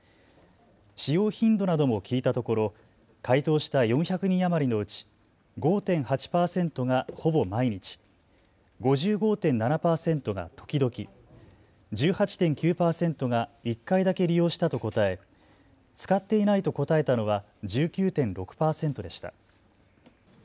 使用頻度なども聞いたところ回答した４００人余りのうち５．８％がほぼ毎日、５５．７％が時々、１８．９％が１回だけ利用したと答え、使っていないと答えたのは１９．６％でした。